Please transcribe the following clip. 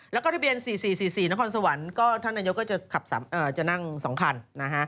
แล้วก็ทะเบียน๔๔๔๔นครสวรรค์ก็ท่านนายกก็จะนั่ง๒คันนะฮะ